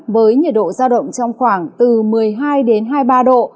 với nhiệt độ giao động trong khoảng từ một mươi hai đến hai mươi ba độ